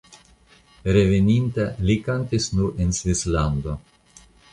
Reveninta li kantis nur en Svislando.